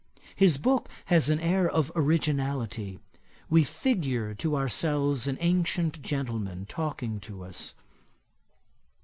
His book has an air of originality. We figure to ourselves an ancient gentleman talking to us.